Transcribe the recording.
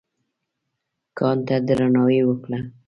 کان ته درناوی وکړه.